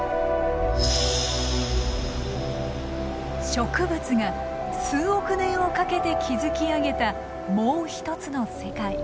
植物が数億年をかけて築き上げたもう一つの世界。